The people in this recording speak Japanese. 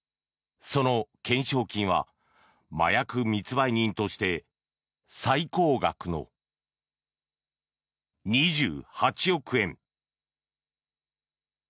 その懸賞金は麻薬密売人として最高額の２８億円。